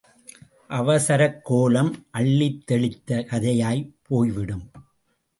அவசரக்கோலம் அள்ளித் தெளித்த கதையாய்ப் போய்விடும்.